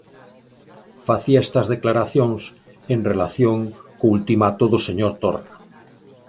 Facía estas declaracións en relación co ultimato do señor Torra.